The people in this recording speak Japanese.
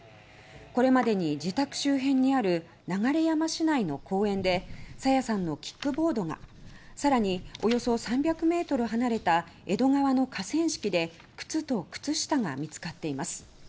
これまでに自宅周辺にある流山市内の公園で朝芽さんのキックボードが更におよそ３００ｍ離れた江戸川の河川敷で靴と靴下が見つかっています。